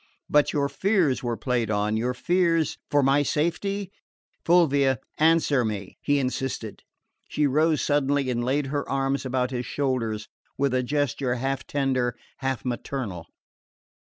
"But your fears were played on your fears for my safety? Fulvia, answer me!" he insisted. She rose suddenly and laid her arms about his shoulders, with a gesture half tender, half maternal.